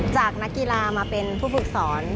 จากนักกีฬามาเป็นผู้ฝึกสอน